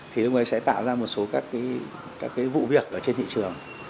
thì lúc đấy sẽ tạo ra một số các cái vụ việc ở trên thị trường